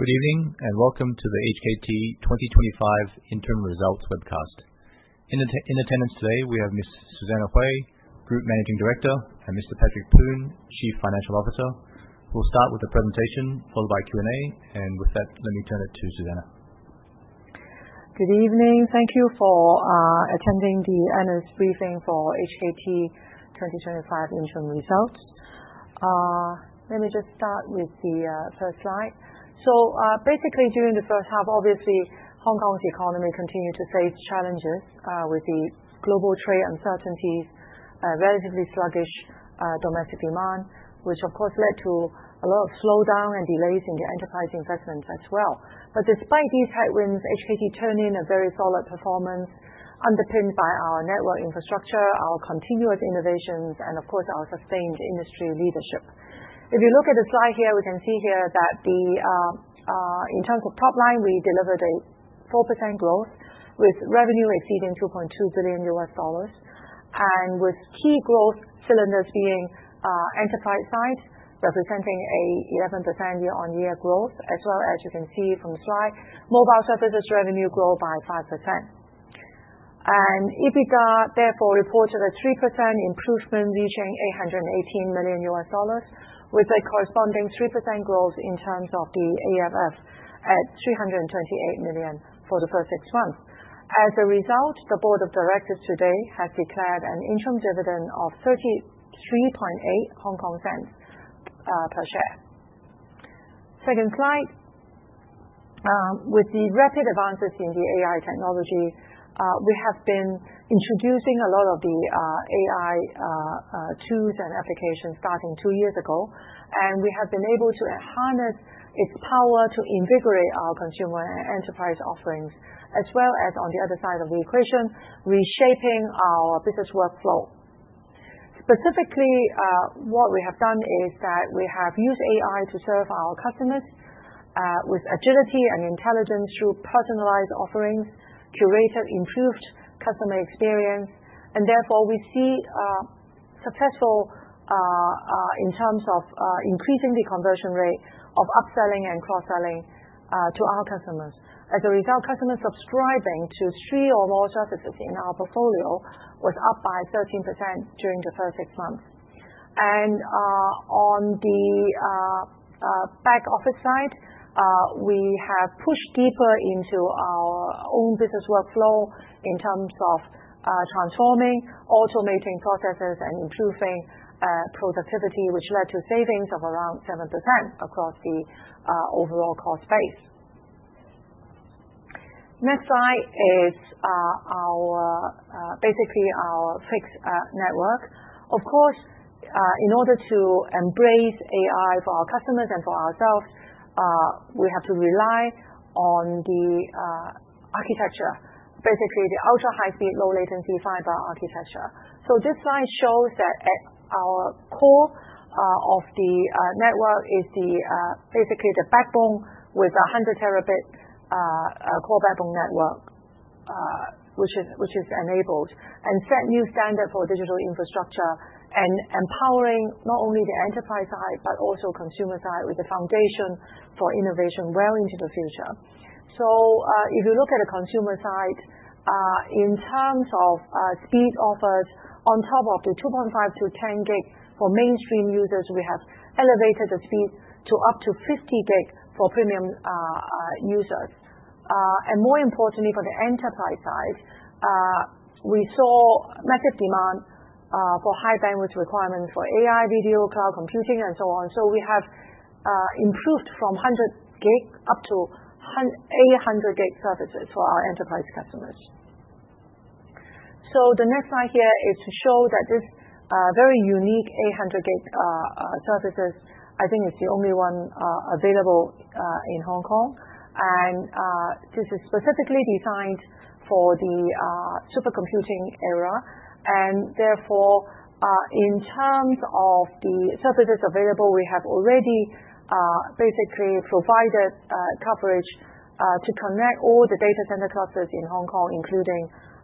Good evening and welcome to the HKT 2025 Interim Results Webcast. In attendance today, we have Ms. Susanna Hui, Group Managing Director, and Mr. Patrick Poon, Chief Financial Officer. We'll start with a presentation, followed by Q&A, and with that, let me turn it to Susanna. Good evening. Thank you for attending the annex briefing for HKT 2025 Interim Results. Let me just start with the first slide. Basically, during the first half, obviously, Hong Kong's economy continued to face challenges with the global trade uncertainties and relatively sluggish domestic demand, which of course led to a lot of slowdown and delays in the enterprise investments as well. Despite these headwinds, HKT turned in a very solid performance underpinned by our network infrastructure, our continuous innovations, and of course our sustained industry leadership. If you look at the slide here, we can see that in terms of top line, we delivered a 4% growth with revenue exceeding $2.2 billion, with key growth cylinders being enterprise side, representing an 11% year-on-year growth. As you can see from the slide, mobile services revenue grew by 5%. EBITDA therefore reported a 3% improvement, reaching $818 million, with a corresponding 3% growth in terms of the AFF at $328 million for the first six months. As a result, the Board of Directors today has declared an interim dividend of $0.338 per share. With the rapid advances in AI technology, we have been introducing a lot of AI tools and applications starting two years ago, and we have been able to harness its power to invigorate our consumer and enterprise offerings, as well as on the other side of the equation, reshaping our business workflow. Specifically, what we have done is that we have used AI to serve our customers with agility and intelligence through personalized offerings, curated, improved customer experience, and therefore we see success in terms of increasing the conversion rate of upselling and cross-selling to our customers. As a result, customers subscribing to three or more services in our portfolio was up by 13% during the first six months. On the back office side, we have pushed deeper into our own business workflow in terms of transforming, automating processes, and improving productivity, which led to savings of around 7% across the overall cost base. Next slide is basically our fixed network. Of course, in order to embrace AI for our customers and for ourselves, we have to rely on the architecture, basically the ultra high-speed, low-latency fiber architecture. This slide shows that at our core of the network is basically the backbone with a 100 terabit core backbone network. Which has enabled and set new standards for digital infrastructure, empowering not only the enterprise side but also the consumer side, with the foundation for innovation well into the future. If you look at the consumer side, in terms of speed offers on top of the 2.5G to 10G for mainstream users, we have elevated the speed to up to 50G for premium users. More importantly, for the enterprise side, we saw massive demand for high bandwidth requirements for AI, video, cloud computing, and so on. We have improved from 100G up to 800G services for our enterprise customers. The next slide here is to show that this very unique 800G services, I think it's the only one available in Hong Kong, and this is specifically designed for the supercomputing era. Therefore, in terms of the services available, we have already basically provided coverage to connect all the data center clusters in Hong Kong, including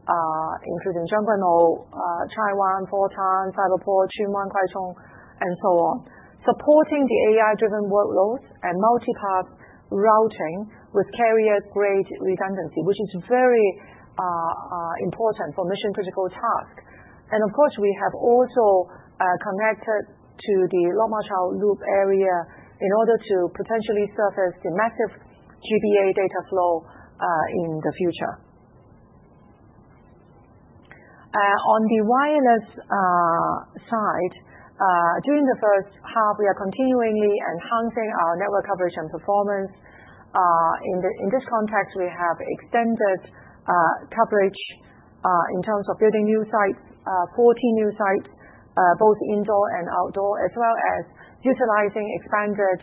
Zheng Guanou, Chai Wan, Fortran, Cyberport, Qingwan, Kwaichong, and so on, supporting the AI-driven workloads and multi-path routing with carrier-grade redundancy, which is very important for mission-critical tasks. We have also connected to the Longma Chao Loop area in order to potentially surface the massive GBA data flow in the future. On the wireless side, during the first half, we are continuously enhancing our network coverage and performance. In this context, we have extended coverage in terms of building new sites, 40 new sites, both indoor and outdoor, as well as utilizing expanded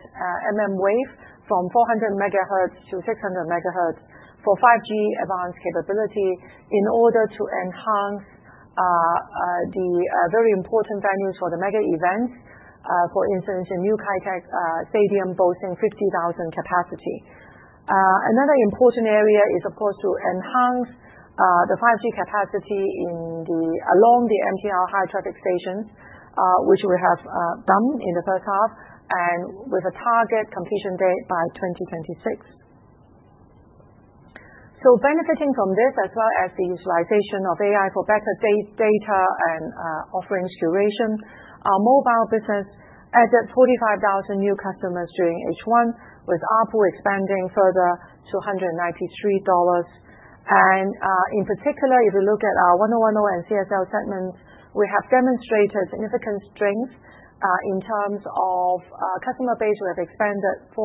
wave from 400 MHz-600 MHz for 5G advanced capability in order to enhance the very important venues for the mega events, for instance, a new Kai Tak Stadium boasting 50,000 capacity. Another important area is to enhance the 5G capacity along the MTR high-traffic stations, which we have done in the first half with a target completion date by 2026. Benefiting from this, as well as the utilization of AI for better data and offerings curation, our mobile business added 45,000 new customers during H1, with ARPU expanding further to $193. In particular, if you look at our 1O1O and CSL segments, we have demonstrated significant strength in terms of customer base. We have expanded 4%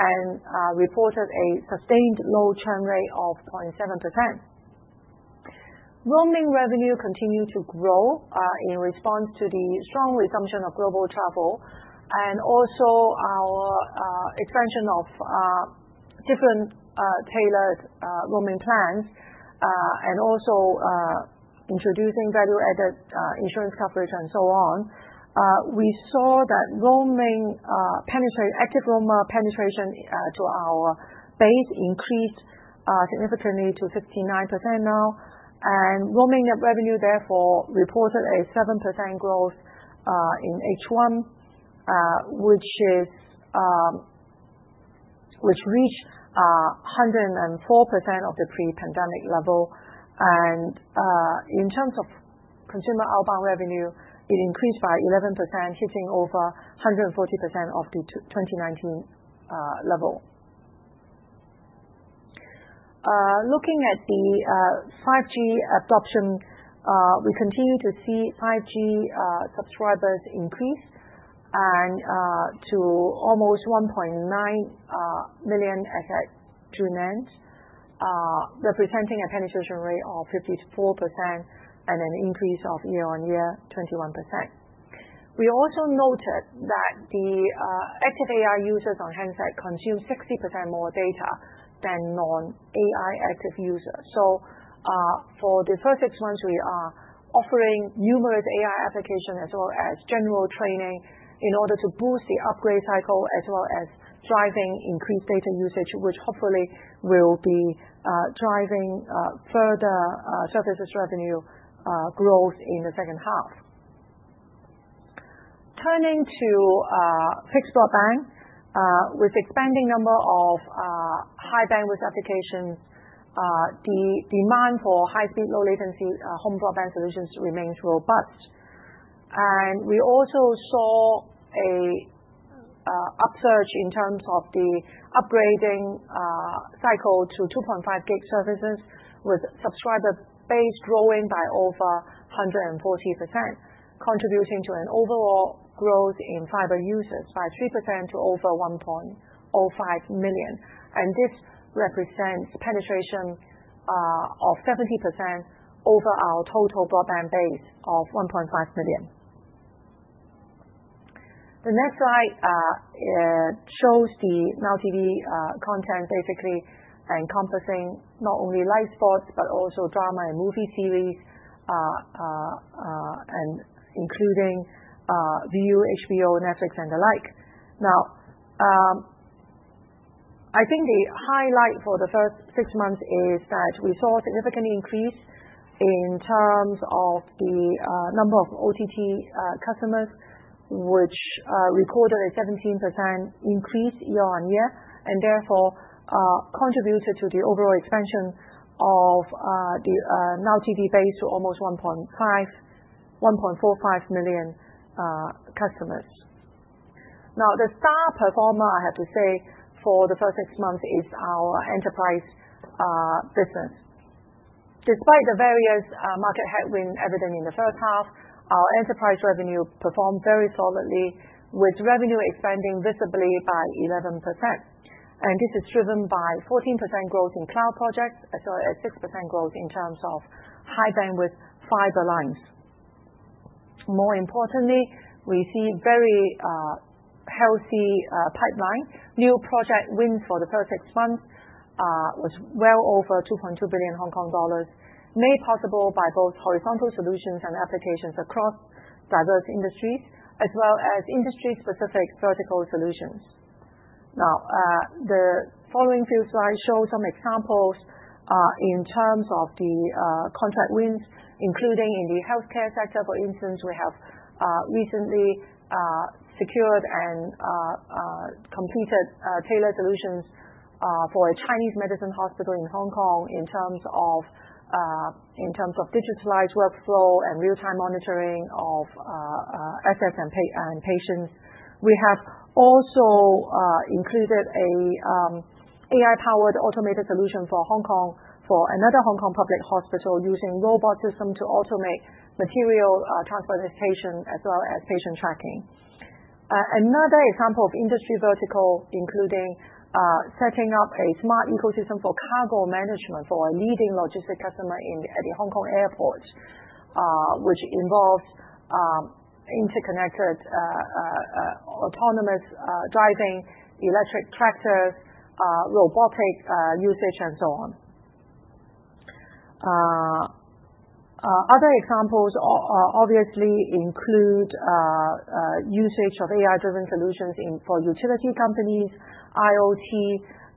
and reported a sustained low churn rate of 0.7%. Roaming revenue continued to grow in response to the strong resumption of global travel and also our expansion of different tailored roaming plans. Introducing value-added insurance coverage and so on. We saw that active Roma penetration to our base increased significantly to 59% now, and roaming net revenue therefore reported a 7% growth in H1, which reached 104% of the pre-pandemic level. In terms of consumer outbound revenue, it increased by 11%, hitting over 140% of the 2019 level. Looking at the 5G adoption, we continue to see 5G subscribers increase to almost 1.9 million as it truly means representing a penetration rate of 54% and an increase year-on-year of 21%. We also noted that the active AI users on [HK] consume 60% more data than non-AI active users. For the first six months, we are offering numerous AI applications as well as general training in order to boost the upgrade cycle as well as driving increased data usage, which hopefully will be driving further services revenue growth in the second half. Turning to fixed broadband, with the expanding number of high bandwidth applications, the demand for high-speed, low-latency home broadband solutions remains robust. We also saw an upsurge in terms of the upgrading cycle to 2.5G services, with subscriber base growing by over 140%, contributing to an overall growth in fiber users by 3% to over 1.05 million. This represents penetration of 70% over our total broadband base of 1.5 million. The next slide shows the Now TV content, basically encompassing not only live sports but also drama and movie series, including Viu, HBO, Netflix, and the like. I think the highlight for the first six months is that we saw a significant increase in terms of the number of OTT customers, which recorded a 17% increase year-on-year and therefore contributed to the overall expansion of the Now TV base to almost 1.45 million customers. Now, the star performer, I have to say, for the first six months is our enterprise business. Despite the various market headwinds evident in the first half, our enterprise revenue performed very solidly, with revenue expanding visibly by 11%. This is driven by 14% growth in cloud projects as well as 6% growth in terms of high bandwidth fiber lines. More importantly, we see a very healthy pipeline. New project wins for the first six months was well over $2.2 billion, made possible by both horizontal solutions and applications across diverse industries, as well as industry-specific vertical solutions. The following few slides show some examples. In terms of the contract wins, including in the healthcare sector, for instance, we have recently secured and completed tailored solutions for a Chinese medicine hospital in Hong Kong in terms of digitalized workflow and real-time monitoring of assets and patients. We have also included an AI-powered automated solution for another Hong Kong public hospital using a robot system to automate material transportation as well as patient tracking. Another example of industry vertical, including setting up a smart ecosystem for cargo management for a leading logistics customer at the Hong Kong airport, which involves interconnected autonomous driving, electric tractors, robotic usage, and so on. Other examples obviously include usage of AI-driven solutions for utility companies, IoT,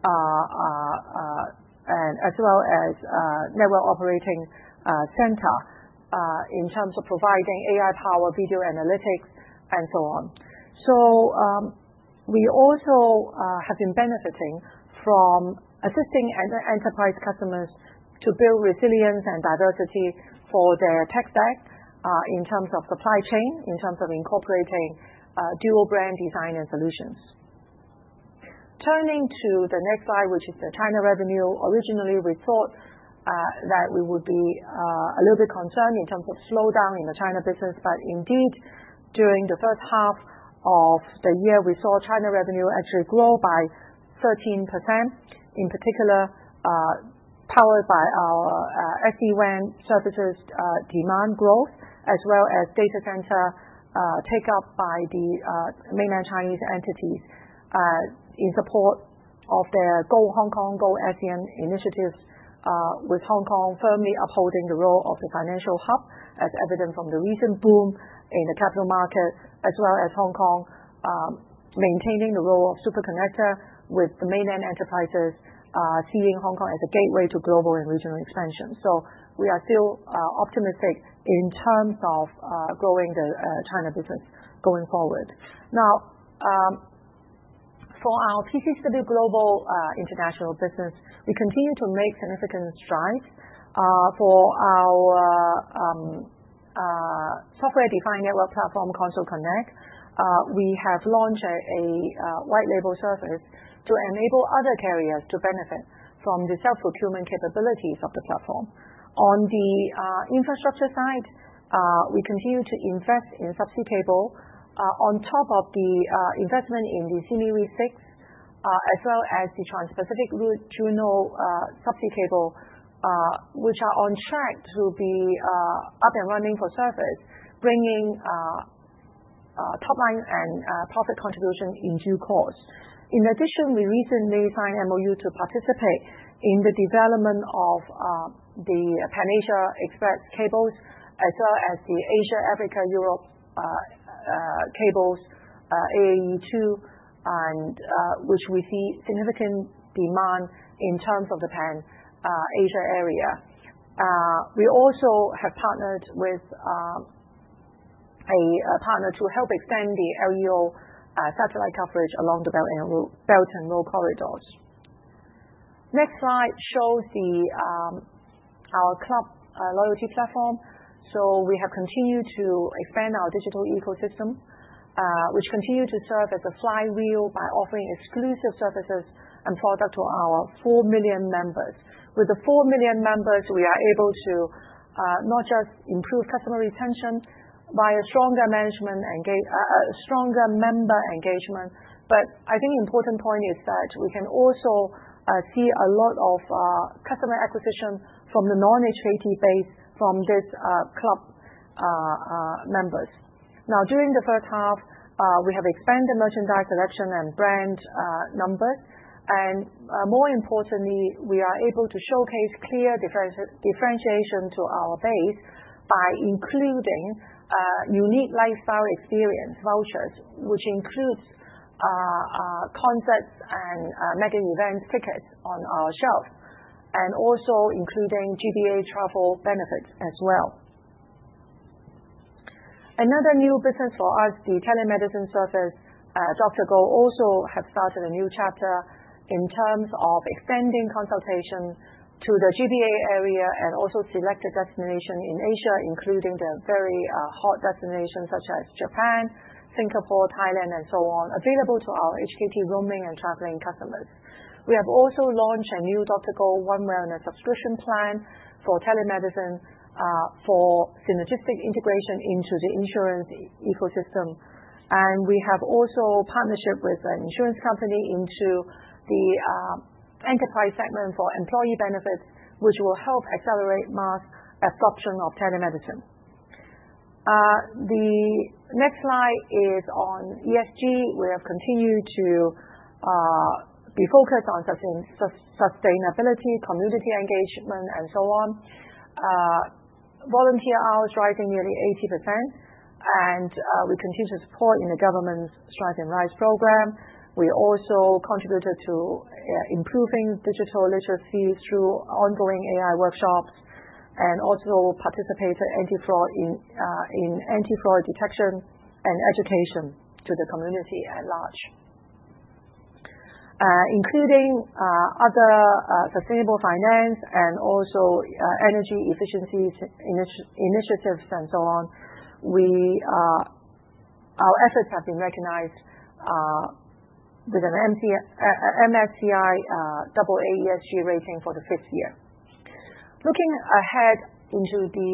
as well as network operating center in terms of providing AI-powered video analytics and so on. We also have been benefiting from assisting enterprise customers to build resilience and diversity for their tech stack in terms of supply chain, in terms of incorporating dual-brand design and solutions. Turning to the next slide, which is the China revenue, originally we thought that we would be a little bit concerned in terms of slowdown in the China business, but indeed, during the first half of the year, we saw China revenue actually grow by 13%, in particular powered by our SD-WAN services demand growth, as well as data center take-up by the mainland Chinese entities in support of their Go Hong Kong, Go ASEAN initiatives, with Hong Kong firmly upholding the role of the financial hub, as evident from the recent boom in the capital market, as well as Hong Kong maintaining the role of super connector with the mainland enterprises, seeing Hong Kong as a gateway to global and regional expansion. We are still optimistic in terms of growing the China business going forward. For our PCC Global International Business, we continue to make significant strides. For our software-defined network platform, Console Connect, we have launched a white-label service to enable other carriers to benefit from the self-procurement capabilities of the platform. On the infrastructure side, we continue to invest in subsea cable on top of the investment in the Simi Route 6, as well as the Trans-Pacific Route 2 subsea cable, which are on track to be up and running for service, bringing top-line and profit contribution in due course. In addition, we recently signed MOU to participate in the development of the Pan-Asia Express cables, as well as the Asia-Africa-Europe cables, AAE2, which we see significant demand in terms of the Pan-Asia area. We also have partnered with a partner to help extend the LEO satellite coverage along the Belt and Road Corridors. Next slide shows our club loyalty platform. We have continued to expand our digital ecosystem, which continues to serve as a flywheel by offering exclusive services and products to our 4 million members. With the 4 million members, we are able to not just improve customer retention via stronger member engagement, but I think an important point is that we can also see a lot of customer acquisition from the non-HKT base from these club members. Now, during the first half, we have expanded merchandise selection and brand numbers. More importantly, we are able to showcase clear differentiation to our base by including unique lifestyle experience vouchers, which includes concerts and mega events tickets on our shelves, and also including GBA travel benefits as well. Another new business for us, the telemedicine service DrGo, also has started a new chapter in terms of extending consultation to the GBA area and also selected destinations in Asia, including the very hot destinations such as Japan, Singapore, Thailand, and so on, available to our HKT roaming and traveling customers. We have also launched a new DrGo One Wellness subscription plan for telemedicine for synergistic integration into the insurance ecosystem. We have also partnerships with an insurance company into the enterprise segment for employee benefits, which will help accelerate mass absorption of telemedicine. The next slide is on ESG. We have continued to be focused on sustainability, community engagement, and so on. Volunteer hours rising nearly 80%. We continue to support the government's Strive and Rise Programme. We also contributed to improving digital literacy through ongoing AI workshops and also participated in anti-fraud detection and education to the community at large, including other sustainable finance and also energy efficiency initiatives and so on. Our efforts have been recognized with an MSCI AA ESG rating for the fifth year. Looking ahead into the.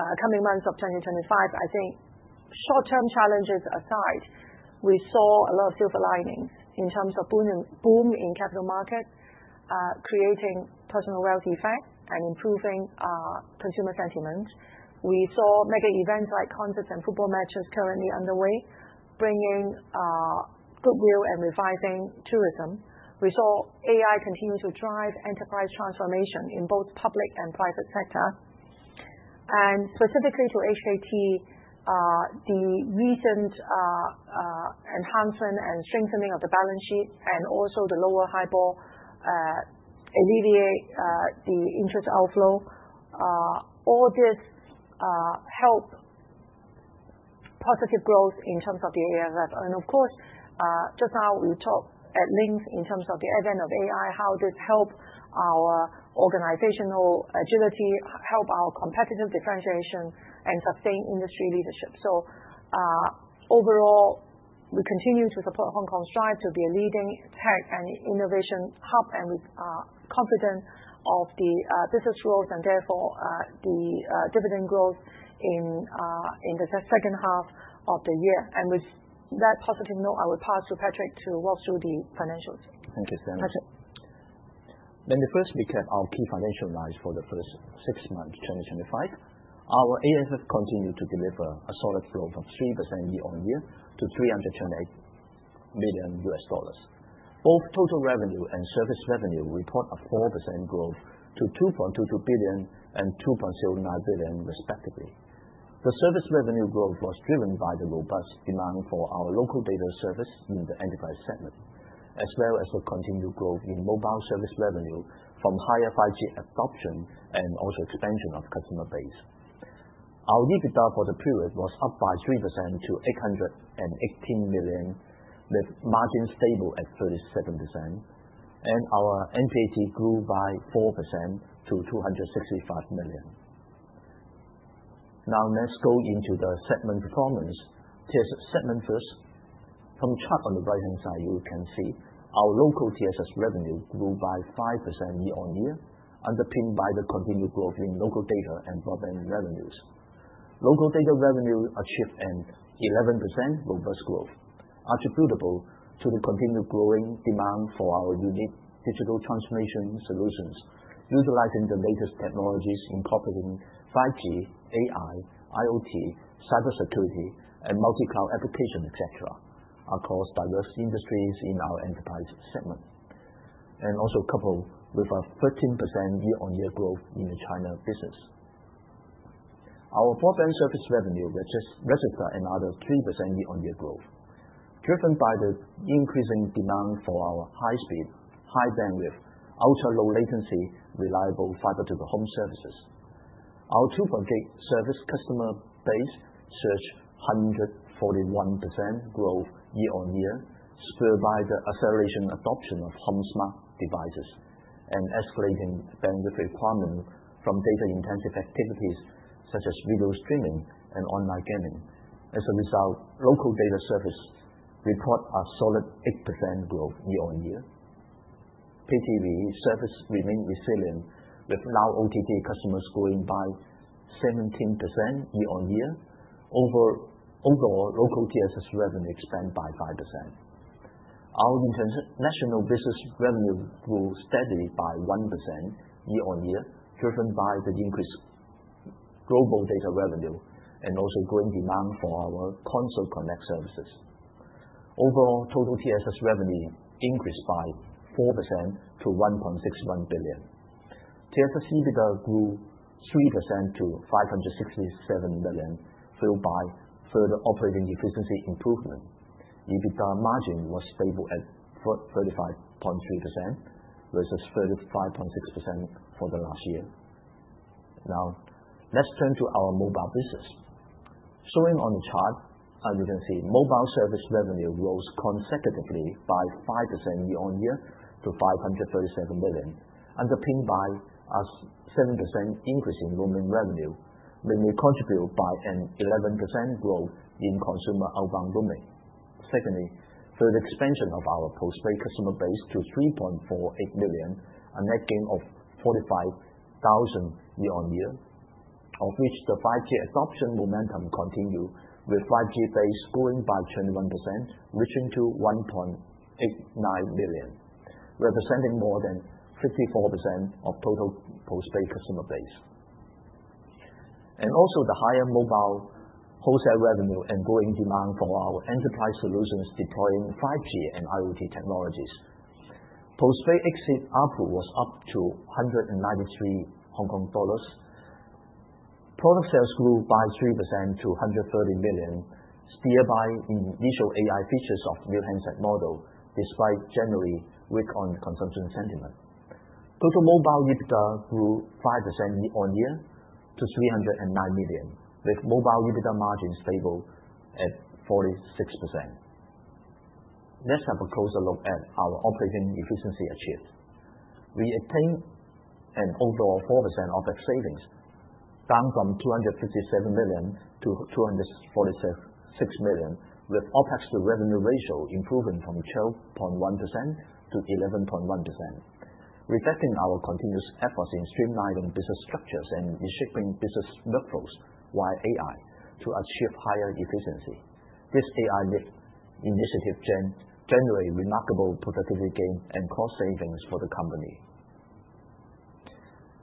Coming months of 2025, I think short-term challenges aside, we saw a lot of silver linings in terms of boom in capital markets, creating personal wealth effects and improving consumer sentiment. We saw mega events like concerts and football matches currently underway, bringing goodwill and reviving tourism. We saw AI continue to drive enterprise transformation in both public and private sectors. Specifically to HKT, the recent enhancement and strengthening of the balance sheet and also the lower highball alleviate the interest outflow. All this helped positive growth in terms of the AFF. Of course, just now we talked at length in terms of the advent of AI, how this helped our organizational agility, helped our competitive differentiation, and sustained industry leadership. Overall, we continue to support Hong Kong strive to be a leading tech and innovation hub, and we are confident of the business growth and therefore the dividend growth in the second half of the year. With that positive note, I will pass to Patrick to walk through the financials. Thank you so much. Patrick. The first week of our key financial lines for the first six months of 2025, our AFF continued to deliver a solid growth of 3% year-on-year to $328 million. Both total revenue and service revenue reported a 4% growth to $2.22 billion and $2.09 billion, respectively. The service revenue growth was driven by the robust demand for our local data service in the enterprise segment, as well as the continued growth in mobile service revenue from higher 5G adoption and also expansion of customer base. Our EBITDA for the period was up by 3% to $818 million, with margins stable at 37%. Our NPAT grew by 4% to $265 million. Now let's go into the segment performance, TSS segment first. From the chart on the right-hand side, you can see our local TSS revenue grew by 5% year-on-year, underpinned by the continued growth in local data and broadband revenues. Local data revenue achieved an 11% robust growth, attributable to the continued growing demand for our unique digital transformation solutions, utilizing the latest technologies incorporating 5G, AI, IoT, cybersecurity, and multi-cloud applications, etc., across diverse industries in our enterprise segment. Also coupled with our 13% year-on-year growth in the China business. Our broadband service revenue registered another 3% year-on-year growth, driven by the increasing demand for our high-speed, high-bandwidth, ultra-low-latency, reliable fiber-to-the-home services. Our [FTTH] service customer base surged 141% growth year-on-year, spurred by the acceleration adoption of home smart devices and escalating bandwidth requirements from data-intensive activities such as video streaming and online gaming. As a result, local data service reported a solid 8% growth year-on-year. Now TV service remained resilient, with OTT customers growing by 17% year-on-year, overall local TSS revenue expanded by 5%. Our international business revenue grew steadily by 1% year-on-year, driven by the increased global data revenue and also growing demand for our Consul Connect services. Overall, total TSS revenue increased by 4% to $1.61 billion. TSS EBITDA grew 3% to $567 million, fueled by further operating efficiency improvement. EBITDA margin was stable at 35.3% versus 35.6% for the last year. Now, let's turn to our mobile business. Showing on the chart, as you can see, mobile service revenue rose consecutively by 5% year-on-year to $537 million, underpinned by a 7% increase in roaming revenue, mainly contributed by an 11% growth in consumer outbound roaming. Secondly, further expansion of our postpaid customer base to 3.48 million, a net gain of 45,000 year-on-year, of which the 5G adoption momentum continued, with 5G base growing by 21%, reaching to 1.89 million, representing more than 54% of total postpaid customer base. There was also higher mobile wholesale revenue and growing demand for our enterprise solutions deploying 5G and IoT technologies. Postpaid exit ARPU was up to $193. Product sales grew by 3% to $130 million, steered by initial AI features of new handset model, despite generally weak consumption sentiment. Total mobile EBITDA grew 5% year-on-year to $309 million, with mobile EBITDA margin stable at 46%. Let's have a closer look at our operating efficiency achieved. We attained an overall 4% OpEx savings, down from $257 million to $246 million, with OpEx to revenue ratio improving from 12.1% to 11.1%. This reflects our continuous efforts in streamlining business structures and reshaping business workflows via AI to achieve higher efficiency. This AI initiative generated remarkable productivity gains and cost savings for the company.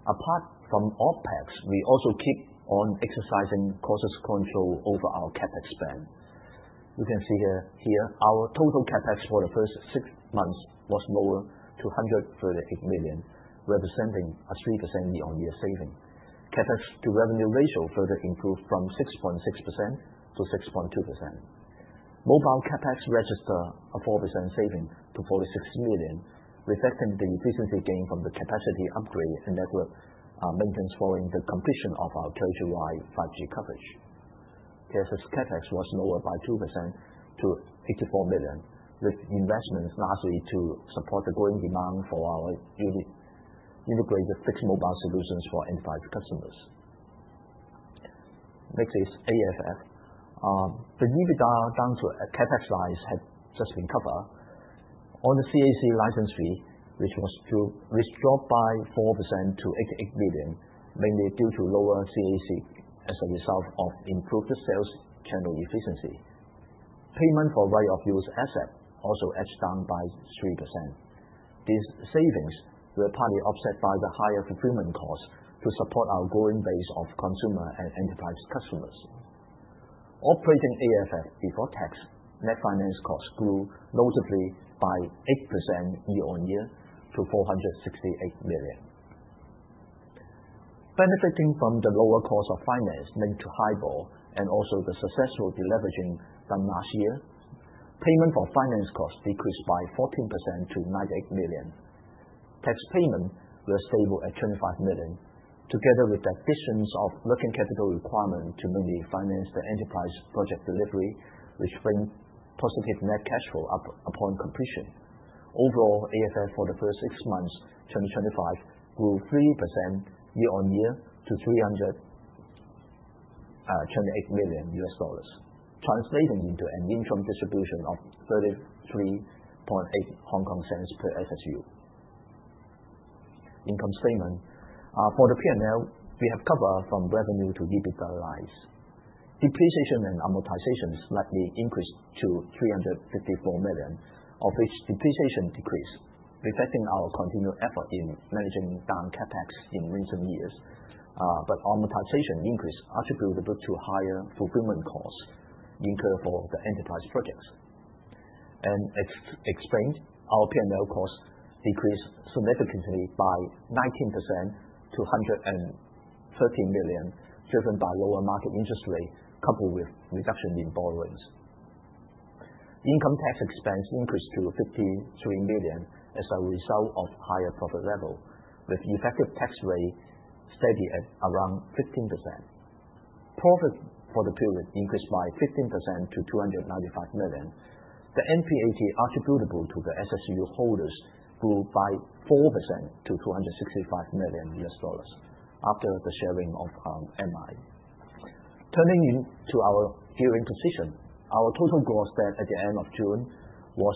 Apart from OpEx, we also keep on exercising cautious control over our CapEx spend. You can see here our total CapEx for the first six months was lower to $138 million, representing a 3% year-on-year saving. CapEx to revenue ratio further improved from 6.6% to 6.2%. Mobile CapEx registered a 4% saving to $46 million, reflecting the efficiency gain from the capacity upgrade and network maintenance following the completion of our HKT 5G Coverage. TSS CapEx was lowered by 2% to $84 million, with investments largely to support the growing demand for our unique integrated fixed mobile solutions for enterprise customers. Next is AFF. The EBITDA down to CapEx size had just been covered. On the CAC license fee, which was dropped by 4% to $88 million, mainly due to lower CAC as a result of improved sales channel efficiency. Payment for right-of-use assets also edged down by 3%. These savings were partly offset by the higher fulfillment costs to support our growing base of consumer and enterprise customers. Operating AFF before tax, net finance costs grew notably by 8% year-on-year to $468 million. Benefiting from the lower cost of finance linked to HIBOR and also the successful deleveraging done last year, payment for finance costs decreased by 14% to $98 million. Tax payment was stable at $25 million, together with the addition of working capital requirements to mainly finance the enterprise project delivery, which brings positive net cash flow upon completion. Overall, AFF for the first six months of 2025 grew 3% year-on-year to $328 million, translated into an income distribution of $33.8 per SSU. Income statement. For the P&L, we have covered from revenue to EBITDA lines. Depreciation and amortization slightly increased to $354 million, of which depreciation decreased, reflecting our continued effort in managing down CapEx in recent years, but amortization increase attributable to higher fulfillment costs incurred for the enterprise projects. Our P&L costs decreased significantly by 19% to $130 million, driven by lower market interest rate coupled with reduction in borrowings. Income tax expense increased to $53 million as a result of higher profit level, with effective tax rate steady at around 15%. Profit for the period increased by 15% to $295 million. The NPAT attributable to the SSU holders grew by 4% to $265 million, after the sharing of MI. Turning to our year-end position, our total gross debt at the end of June was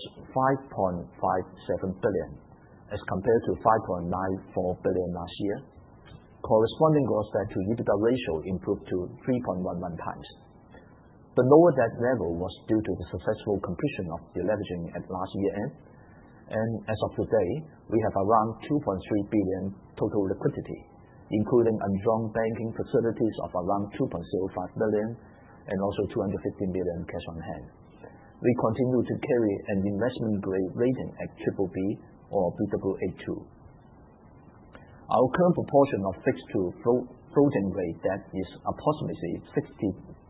$5.57 billion, as compared to $5.94 billion last year. Corresponding gross debt to EBITDA ratio improved to 3.11 times. The lower debt level was due to the successful completion of deleveraging at last year-end. As of today, we have around $2.3 billion total liquidity, including undrawn banking facilities of around $2.05 billion and also $250 million cash on hand. We continue to carry an investment-grade rating at BBB or [Aa2]. Our current proportion of fixed to floating rate debt is approximately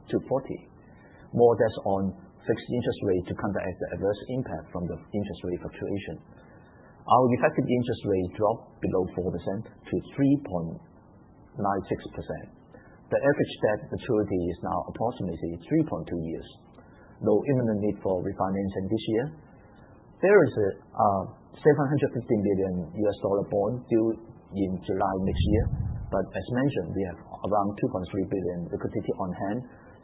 60-40, more based on fixed interest rate to counteract the adverse impact from the interest rate fluctuation. Our effective interest rate dropped below 4% to 3.96%. The average debt maturity is now approximately 3.2 years, no imminent need for refinancing this year. There is $750 million U.S. dollar bond due in July next year, but as mentioned, we have around $2.3 billion liquidity on hand,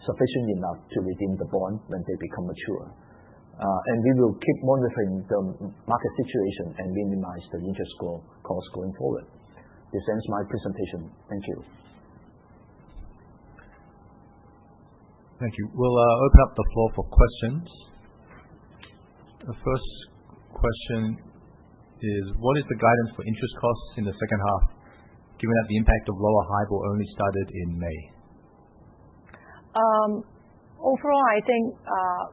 sufficient enough to redeem the bond when they become mature. We will keep monitoring the market situation and minimize the interest growth costs going forward. This ends my presentation. Thank you. Thank you. We'll open up the floor for questions. The first question is, what is the guidance for interest costs in the second half, given that the impact of lower highball only started in May? Overall, I think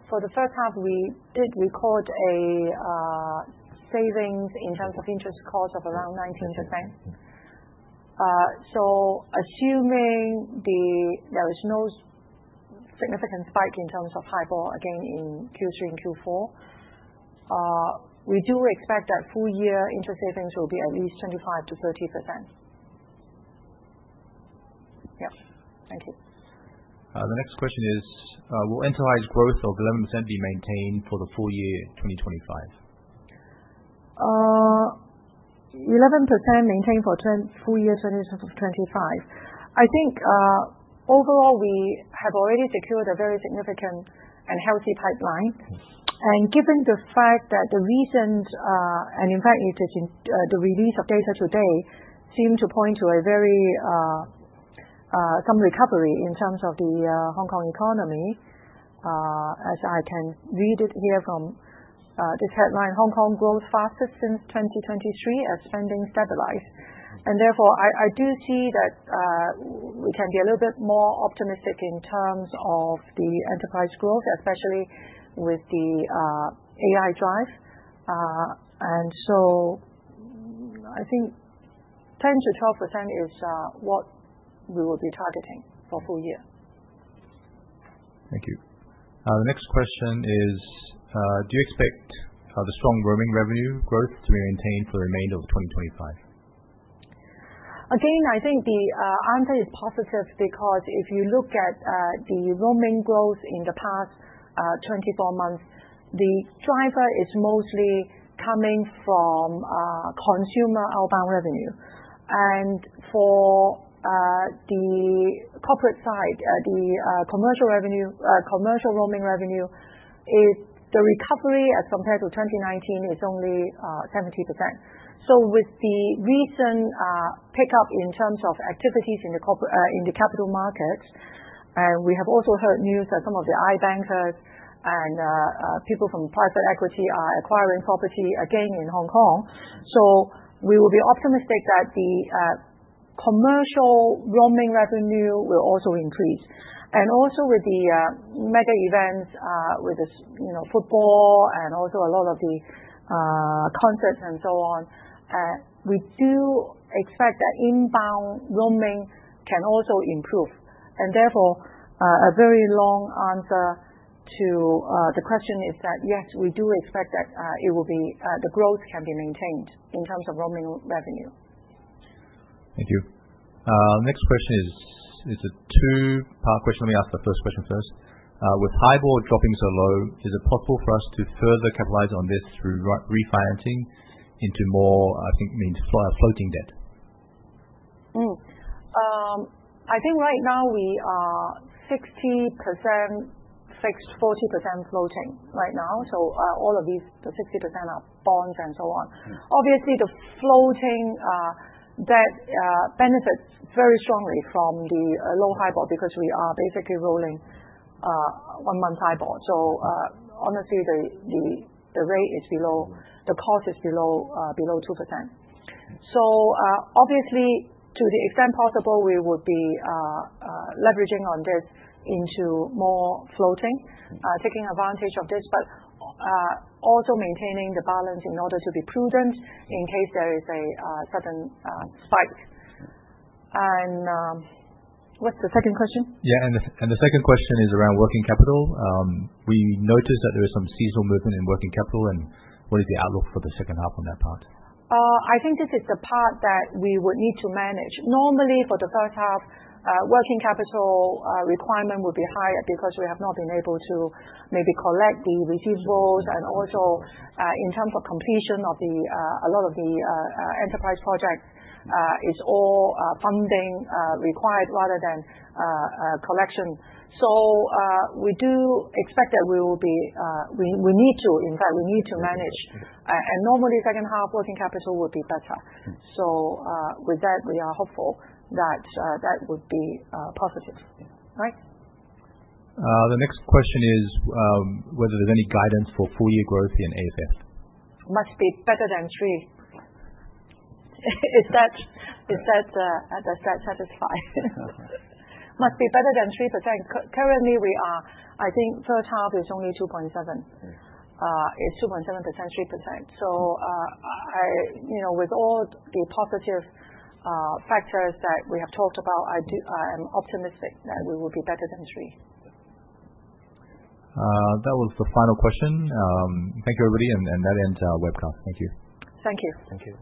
for the first half, we did record a savings in terms of interest cost of around 19%. Assuming there is no significant spike in terms of highball again in Q3 and Q4, we do expect that full-year interest savings will be at least 25%-30%. Yep. Thank you. The next question is, will enterprise growth of 11% be maintained for the full year 2025? 11% maintained for full year 2025? I think overall, we have already secured a very significant and healthy pipeline. Given the fact that the recent, and in fact, it is the release of data today, seem to point to a very, some recovery in terms of the Hong Kong economy. As I can read it here from this headline, "Hong Kong grows fastest since 2023 as spending stabilized." Therefore, I do see that we can be a little bit more optimistic in terms of the enterprise growth, especially with the AI drive. I think 10%-12% is what we will be targeting for full year. Thank you. The next question is, do you expect the strong roaming revenue growth to be maintained for the remainder of 2025? Again, I think the answer is positive because if you look at the roaming growth in the past 24 months, the driver is mostly coming from consumer outbound revenue. For. The corporate side, the commercial. Roaming revenue, the recovery as compared to 2019 is only 70%. With the recent pickup in terms of activities in the capital markets, we have also heard news that some of the iBankers and people from private equity are acquiring property again in Hong Kong. We will be optimistic that the commercial roaming revenue will also increase. Also, with the mega events, with the football and a lot of the concerts and so on, we do expect that inbound roaming can also improve. Therefore, a very long answer to the question is that, yes, we do expect that the growth can be maintained in terms of roaming revenue. Thank you. The next question is a two-part question. Let me ask the first question first. With HIBOR dropping so low, is it possible for us to further capitalize on this through refinancing into more, I think, means floating debt? I think right now we are 60% fixed, 40% floating right now. All of these, the 60% are bonds and so on. Obviously, the floating debt benefits very strongly from the low HIBOR because we are basically rolling one-month HIBOR. Honestly, the rate is below, the cost is below 2%. Obviously, to the extent possible, we would be leveraging on this into more floating, taking advantage of this, but also maintaining the balance in order to be prudent in case there is a sudden spike. What's the second question? The second question is around working capital. We noticed that there was some seasonal movement in working capital. What is the outlook for the second half on that part? I think this is the part that we would need to manage. Normally, for the first half, working capital requirement would be higher because we have not been able to maybe collect the receivables. Also, in terms of completion of a lot of the enterprise projects, it's all funding required rather than collection. We do expect that we will be, we need to, in fact, we need to manage. Normally, second half working capital would be better. With that, we are hopeful that that would be positive. The next question is whether there's any guidance for full-year growth in AFF. Must be better than 3. Is that satisfying? Must be better than 3%. Currently, we are, I think, third half is only 2.7. It's 2.7%, 3%. With all the positive factors that we have talked about, I am optimistic that we will be better than 3. That was the final question. Thank you, everybody. That ends our webcast. Thank you. Thank you. Thank you.